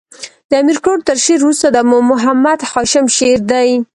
د امیر کروړ تر شعر وروسته د ابو محمد هاشم شعر دﺉ.